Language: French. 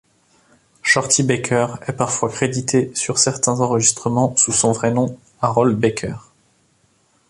Shorty Baker est parfois crédité sur certains enregistrements sous son vrai nom: Harold Baker.